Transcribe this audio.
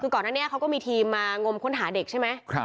คือก่อนอันนี้เขาก็มีทีมมางมค้นหาเด็กใช่ไหม